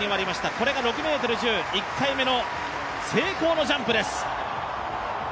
これが６ｍ１０、１回目の成功のジャンプです。